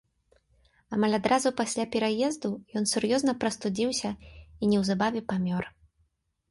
Амаль адразу пасля пераезду ён сур'ёзна прастудзіўся і неўзабаве памёр.